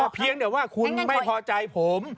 เพียงแต่ว่าคุณไม่พอใจผม